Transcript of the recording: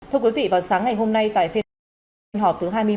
thưa quý vị vào sáng ngày hôm nay tại phiên họp thứ hai mươi một